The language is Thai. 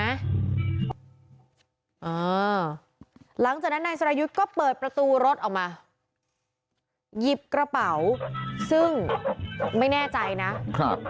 หลังจากนั้นนายสรายุทธ์ก็เปิดประตูรถออกมาหยิบกระเป๋าซึ่งไม่แน่ใจนะครับ